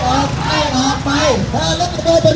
ออกไปออกไปออกไป